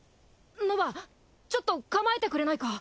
ノヴァちょっと構えてくれないか？